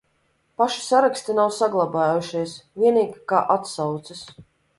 Paši saraksti nav saglabājušies, vienīgi kā atsauces.